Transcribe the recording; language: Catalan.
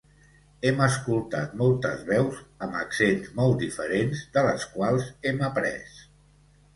Hem escoltat moltes veus, amb accents molt diferents, de les quals hem après.